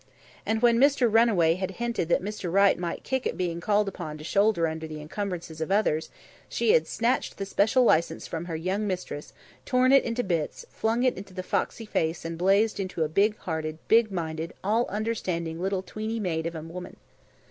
And when Mr. Runaway had hinted that Mr. Right might kick at being called upon to shoulder the encumbrances of others, she had snatched the special license from her young mistress, torn it into bits, flung it into the foxy face and blazed into a big hearted, big minded, all understanding little tweeny maid of a woman.